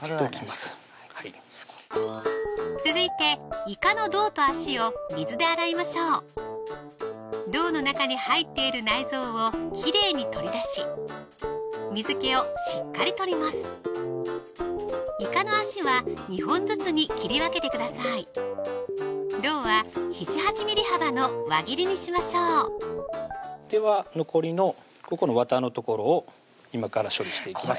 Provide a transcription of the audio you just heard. すごい続いていかの胴と足を水で洗いましょう胴の中に入っている内臓をきれいに取り出し水気をしっかり取りますいかの足は２本ずつに切り分けてください胴は７８ｍｍ幅の輪切りにしましょうでは残りのここのわたの所を今から処理していきます